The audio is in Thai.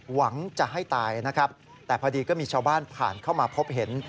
หวังจะให้ตายนะครับแต่พอดีก็มีชาวบ้านผ่านเข้ามาพบเห็น